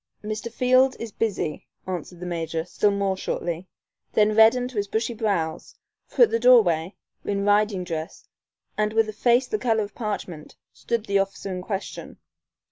"Mr. Field is busy," answered the major, still more shortly, then reddened to his bushy brows, for at the doorway, in riding dress, and with a face the color of parchment, stood the officer in question.